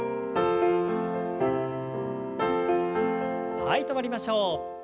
はい止まりましょう。